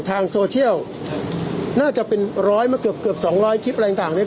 ทางโซเชียลน่าจะเป็นร้อยมาเกือบเกือบสองร้อยคลิปอะไรต่างเนี่ย